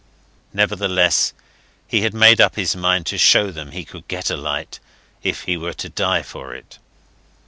Nevertheless, he had made up his mind to show them he could get a light, if he were to die for it.